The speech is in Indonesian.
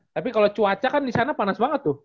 tapi kalau cuaca kan disana panas banget tuh